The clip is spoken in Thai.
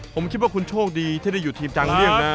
ผมคิดว่าคุณโชคดีที่ได้อยู่ทีมจังเลี่ยงนะ